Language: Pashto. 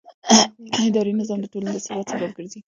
اداري نظام د ټولنې د ثبات سبب ګرځي.